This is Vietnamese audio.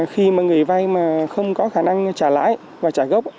khi mà người vay mà không có khả năng trả lãi và trả gốc